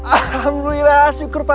alhamdulillah syukur pak